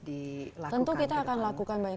dilakukan tentu kita akan lakukan banyak